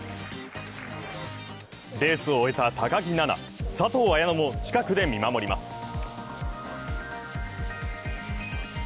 レースを終えた高木菜那、佐藤綾乃も近くで見守ります。